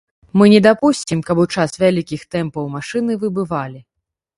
Мы не дапусцім, каб у час вялікіх тэмпаў машыны выбывалі.